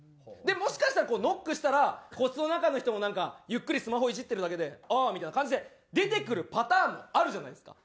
もしかしたらノックしたら個室の中の人もなんかゆっくりスマホいじってるだけでああみたいな感じで出てくるパターンもあるじゃないですか。